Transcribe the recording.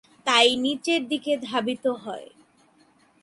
তাই নিচের দিকে ধাবিত হয়।